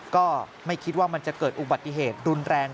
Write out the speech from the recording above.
ก็ไม่คิดว่ามันจะเกิดอุบัติเหตุรุนแรง